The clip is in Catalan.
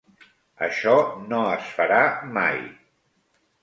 Això no es farà mai.